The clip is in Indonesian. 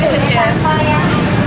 biasanya belinya apa mbak